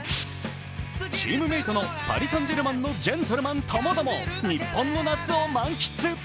チームメートのパリ・サン＝ジェルマンのジェントルマン共々、日本の夏を満喫。